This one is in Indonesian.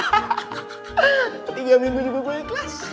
hahaha tiga minggu juga gue ikhlas